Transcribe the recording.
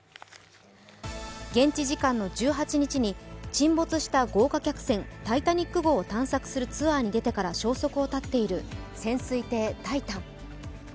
現地時間の１８日に沈没した豪華客船「タイタニック」号を探索するツアーに出て以来消息を絶っている潜水艇「タイタン」。